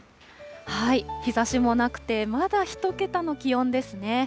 日ざしもなくて、まだ１桁の気温ですね。